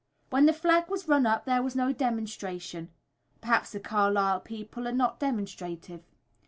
When the flag was run up there was no demonstration, perhaps the Carlisle people are not demonstrative.